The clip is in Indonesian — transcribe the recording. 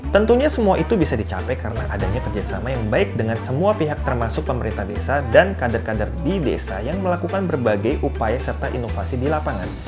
tentunya semua itu bisa dicapai karena adanya kerjasama yang baik dengan semua pihak termasuk pemerintah desa dan kader kader di desa yang melakukan berbagai upaya serta inovasi di lapangan